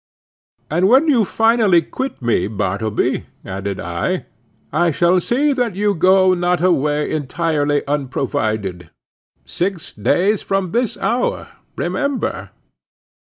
"And when you finally quit me, Bartleby," added I, "I shall see that you go not away entirely unprovided. Six days from this hour, remember."